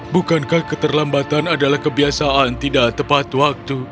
bukankah keterlambatan adalah kebiasaan tidak tepat waktu